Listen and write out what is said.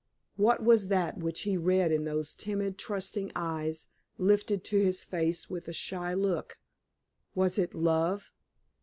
What was that which he read in those timid, trusting eyes lifted to his face with a shy look? Was it love?